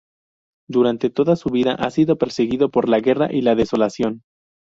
Durante toda su vida ha sido perseguido por la guerra y la desolación.